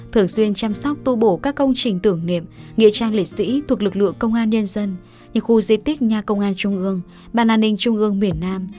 thường xuyên chăm sóc tu bổ các công trình tưởng niệm nghị trang lễ sĩ thuộc lực lượng công an nhân dân những khu di tích nhà công an trung ương bàn an ninh trung ương miền nam